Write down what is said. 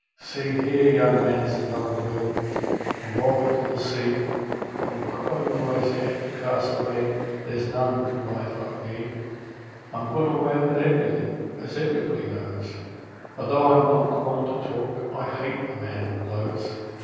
'See, here, young man,' said Mulga Bill, 'from Walgett to the sea, From Conroy's Gap to Castlereagh, there's none can ride like me. I'm good all round at everything, as everybody knows, Although I'm not the one to talk I HATE a man that blows.